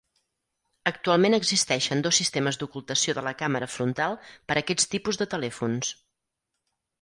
Actualment existeixen dos sistemes d'ocultació de la càmera frontal per aquests tipus de telèfons.